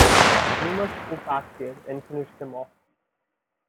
You must go back there and finish them off.